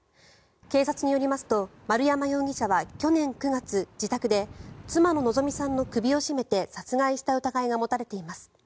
警察によりますと丸山容疑者は去年９月、自宅で妻の希美さんの首を絞めて殺害した疑いが持たれています。